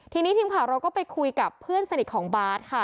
ทีนี้ทิมขาลลอทิวไปคุยกับเพื่อนสนิทของบ๊าสค่ะ